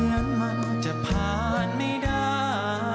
ผ่านเดือนผ่านวันเมื่อมันจะผ่านไม่ได้